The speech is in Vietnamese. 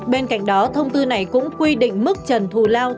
bên cạnh đó thông tư này cũng quy định mức trần thù lao